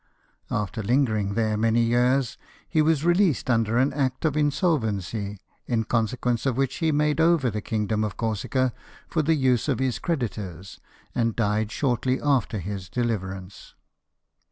After lingering there many years. 60 LIFE OF NELSON. lie was released under an Act of insolvency ; in con sequence of which he made over the kingdom of Corsica for the use of his creditors, and died shortly after his deliverance.